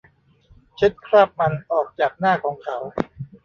เช็ดคราบมันออกจากหน้าของเขา